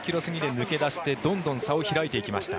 抜け出してどんどん差を開いていきました。